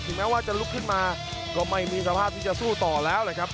แม้ว่าจะลุกขึ้นมาก็ไม่มีสภาพที่จะสู้ต่อแล้วนะครับ